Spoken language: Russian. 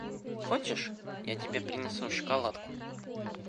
– Хочешь, я тебе принесу шоколадку?